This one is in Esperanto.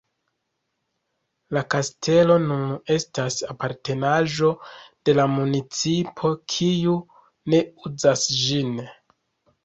La kastelo nun estas apartenaĵo de la municipo, kiu ne uzas ĝin.